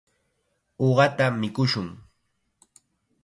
Uqata mikushun.